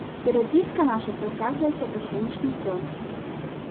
Перапіска наша працягваецца да сённяшніх дзён.